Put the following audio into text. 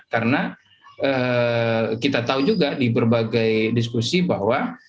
karena kita tahu juga di berbagai diskusi bahwa